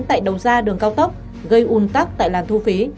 tại đầu ra đường cao tốc gây ùn tắc tại làn thu phí